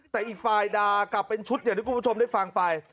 แต่อีกฝ่ายด่ากลับเป็นชุดอย่างที่คุณผู้ชมได้ฟังไป